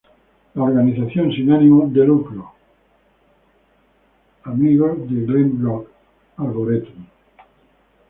La organización sin ánimo de lucro "Friends of the Glen Rock Arboretum, Inc.